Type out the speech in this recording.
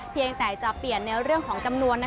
เพียงแต่จะเปลี่ยนในเรื่องของจำนวน